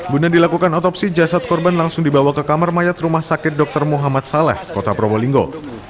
guna dilakukan otopsi jasad korban langsung dibawa ke kamar mayat rumah sakit dr muhammad saleh kota probolinggo